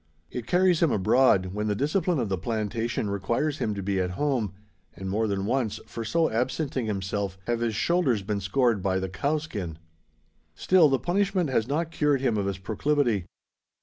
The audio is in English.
It carries him abroad, when the discipline of the plantation requires him to be at home; and more than once, for so absenting himself, have his shoulders been scored by the "cowskin." Still the punishment has not cured him of his proclivity.